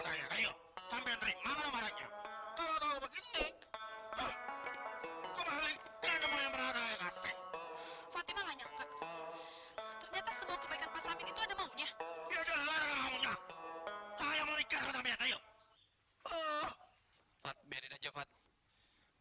pasamin itu ada maunya ya jalan maunya saya mau nikah sampai yuk